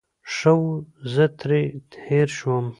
ښه وو، زه ترې هېر شوم.